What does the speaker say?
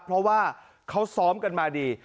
เพราะว่าเขาซ้อมกันมาดี